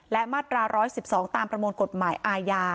และมาตรา๑๑๒ตามประมวลกฎหมายอาญา